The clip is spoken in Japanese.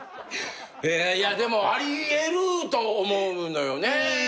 でもあり得ると思うのよね。